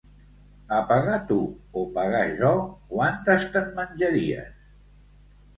A pagar tu o pagar jo, quantes te'n menjaries?